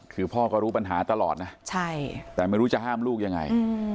คือพ่อก็รู้ปัญหาตลอดนะแต่ไม่รู้จะห้ามลูกยังไง